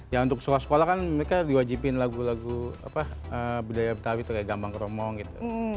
ya untuk sekolah sekolah kan mereka diwajibin lagu lagu apa budaya betawi tuh kayak gambang keromong gitu